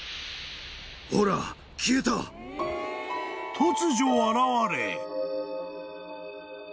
［突如現れ］